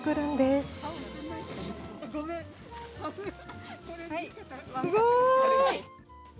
すごい！